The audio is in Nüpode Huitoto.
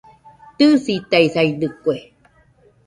Tɨisitaisaidɨkue